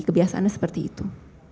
kebiasaannya seperti itu